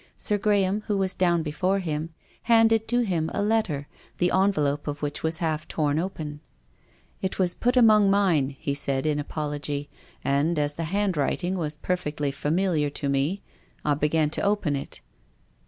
Sir Graham, who was down before him, handed to him a letter, the envelope of which was half torn open. *' It was put among mine," he said in apology, THE GRAVE. "JT^ " and as the handwriting was perfectly familiar to me, I began to open it."